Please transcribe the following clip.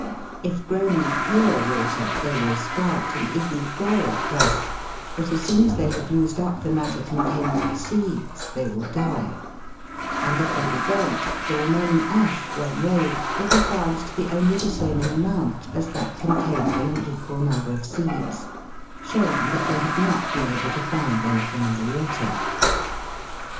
If grown in pure water, they will sprout and even grow at first ; but as soon as they have used up the matter contained in the seeds, they will die ; and if they be burnt, the remaining ash, when weighed, will be found to be only the same in amount as that contained in an equal number of seeds, showing that they have not been able to find anything in the water.